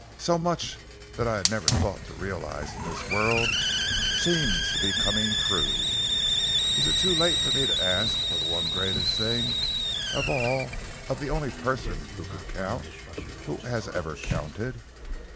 So much that I had never thought to realise in this world seems to be coming true. Is it too late for me to ask for the one greatest thing of all of the only person who could count who ever has counted?